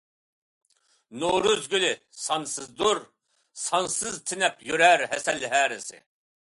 نورۇز گۈلى سانسىزدۇر، سانسىز تېنەپ يۈرەر ھەسەل ھەرىسى.